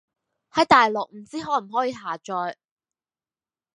喺大陸唔知可唔可以下載